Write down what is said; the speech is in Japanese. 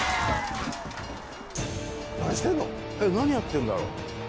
何やってんだろう？